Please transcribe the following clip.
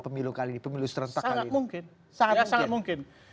pemilu serentak kali ini sangat mungkin